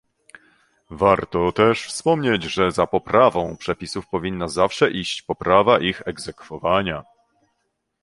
Warto też wspomnieć, że za poprawą przepisów powinna zawsze iść poprawa ich egzekwowania